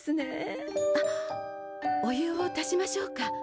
あっお湯を足しましょうか？